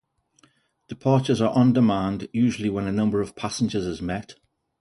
Departures are on demand, usually when a number of passengers is met.